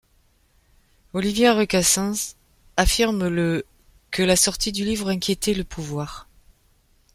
Olivia Recasens affirme le que la sortie du livre inquiétait le pouvoir.